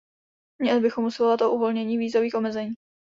Měli bychom usilovat o uvolnění vízových omezení.